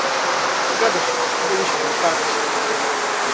Zgadza się, byliśmy uparci